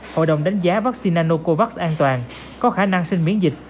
hội đồng đánh giá vaccine nanocovax an toàn có khả năng sinh miễn dịch